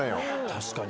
確かに。